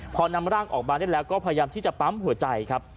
พอนำร่างออกมาได้แล้วก็พยายามที่จะปั๊มหัวใจครับ